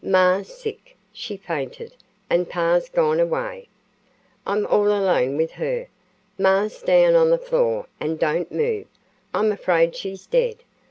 Ma's sick she fainted and pa's gone away. I'm all alone with her. Ma's down on the floor an' don't move I'm afraid she's dead.